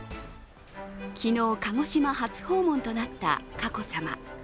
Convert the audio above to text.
昨日、鹿児島初訪問となった佳子さま。